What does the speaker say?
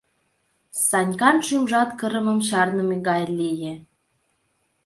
Санькан шӱмжат кырымым чарныме гай лие.